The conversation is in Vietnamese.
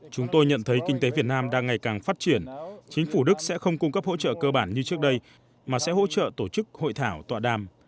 chúng tôi nhận thấy kinh tế việt nam đang ngày càng phát triển chính phủ đức sẽ không cung cấp hỗ trợ cơ bản như trước đây mà sẽ hỗ trợ tổ chức hội thảo tọa đàm